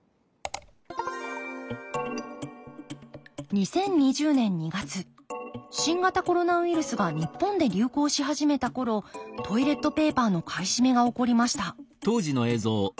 ２０２０年２月新型コロナウイルスが日本で流行し始めた頃トイレットペーパーの買い占めが起こりました